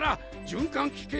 循環器系？